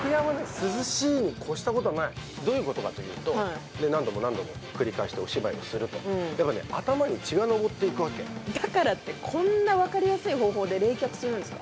涼しいに越したことはないどういうことかというとはい何度も何度も繰り返してお芝居をするとやっぱね頭に血が上っていくわけだからってこんな分かりやすい方法で冷却するんですか？